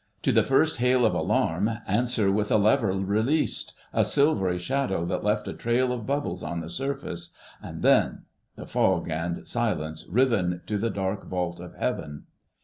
To the first hail of alarm answer with a lever released, a silvery shadow that left a trail of bubbles on the surface.... And then—the fog and silence riven to the dark vault of heaven.